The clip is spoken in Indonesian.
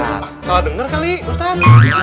ah salah denger kali ustadz